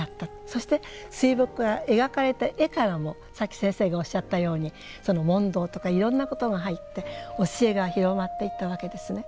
そして水墨画が描かれた絵からもさっき先生がおっしゃったように問答とかいろんなことが入って教えが広まっていったわけですね。